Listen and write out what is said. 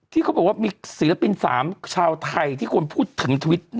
ที่เขาบอกว่ามีศิลปิน๓ชาวไทยที่ควรพูดถึงทวิต